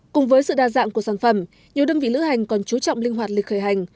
cùng với sự đa dạng của sản phẩm nhiều đơn vị lữ hành còn chú trọng linh hoạt lịch khởi hành